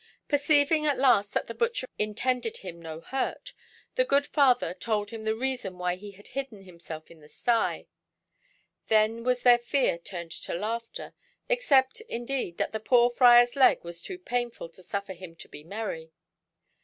Perceiving at last that the butcher intended him no hurt, the good father told him the reason why he had hidden himself in the sty. Then was their fear turned to laughter, except, indeed, that the poor Friar's leg was too painful to suffer him to be merry.